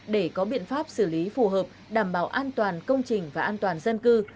để có biện pháp xử lý phù hợp đảm bảo an toàn công trình và an toàn dân cư